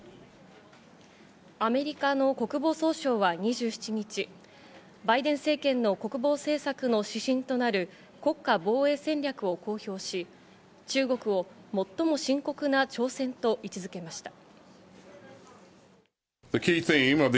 アメリカの国防総省は２７日、バイデン政権の国防政策の指針となる国家防衛戦略を公表し、中国を最も深刻な挑戦と位置付けました。